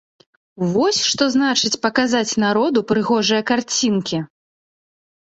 Вось што значыць паказаць народу прыгожыя карцінкі!